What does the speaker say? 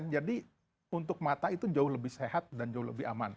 jadi untuk mata itu jauh lebih sehat dan jauh lebih aman